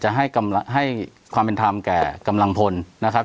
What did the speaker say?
ให้ความเป็นธรรมแก่กำลังพลนะครับ